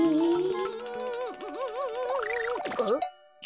あっ。